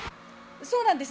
そうなんです。